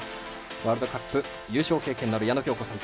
ワールドカップ優勝経験のある矢野喬子さん。